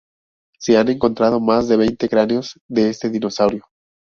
Se han encontrado más de veinte cráneos de este dinosaurio.